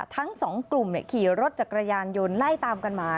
ทั้งสองกลุ่มขี่รถจักรยานยนต์ไล่ตามกันมา